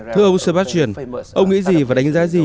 thưa ông sebastian ông nghĩ gì và đánh giá gì